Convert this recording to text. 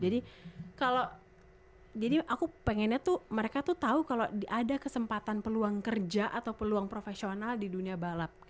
jadi kalau jadi aku pengennya tuh mereka tuh tahu kalau ada kesempatan peluang kerja atau peluang profesional di dunia balap